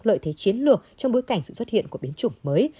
lợi thế chiến lược trong bối cảnh sự xuất hiện của biến chủng mới